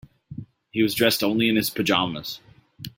He was dressed only in his pajamas.